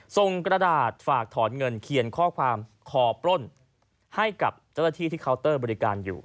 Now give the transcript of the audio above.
กระดาษฝากถอนเงินเขียนข้อความขอปล้นให้กับเจ้าหน้าที่ที่เคาน์เตอร์บริการอยู่